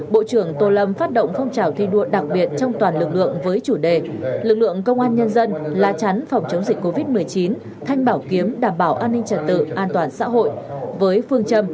bộ trưởng tô lâm yêu cầu công an các đơn vị địa phương phải tập trung thực hiện thắng lợi ba mục tiêu quan trọng